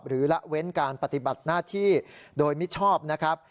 ละเว้นการปฏิบัติหน้าที่โดยมิชอบนะครับ